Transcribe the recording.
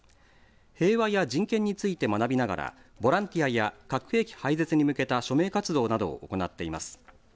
平和や人権について学びながらボランティアや核兵器廃絶に向けた署名活動などを行っています。